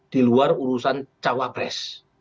di luar urusan cawabres